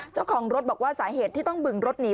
เจ้าของรถบอกว่าสาเหตุที่ต้องบึงรถหนี